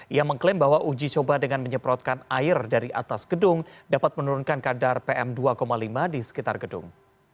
ia mengklaim bahwa uji coba dengan menyemprotkan air dari atas gedung dapat menurunkan kadar pm dua lima di sekitar gedung